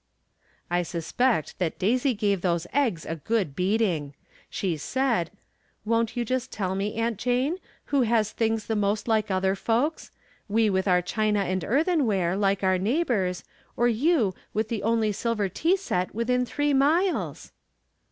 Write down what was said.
I suspect that Daisy ■ gave those eggs a good beating 1 She said :" Won't jovL just tell me. Aunt Jane, who has things the most like other folks — we with our china and earthenware, like our neighbors, or you with the only silver tea set within tliree miles?"